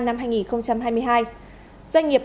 hai nghìn hai mươi hai doanh nghiệp